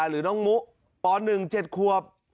หรือน้องมุป๑เจ็ดควบ